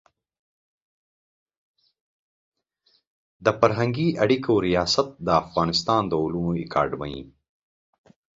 د فرهنګي اړیکو ریاست د افغانستان د علومو اکاډمي